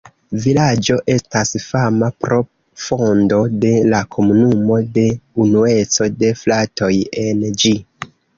Vilaĝo estas fama pro fondo de la komunumo de "Unueco de fratoj" en ĝi.